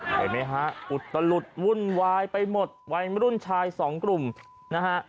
เห็นไหมฮะอุตลุดวุ่นวายไปหมดวัยมรุ่นชายสองกลุ่มนะฮะ